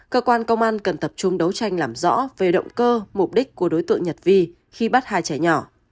cơ quan công an cần tập trung đấu tranh làm rõ về động cơ mục đích của đối tượng nhật vi khi bắt hai trẻ nhỏ